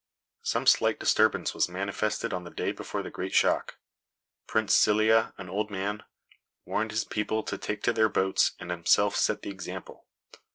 Some slight disturbance was manifested on the day before the great shock. Prince Scylla, an old man, warned his people to take to their boats, and himself set the example.